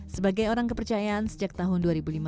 sebagai orang kepercayaan sejak tahun dua ribu lima belas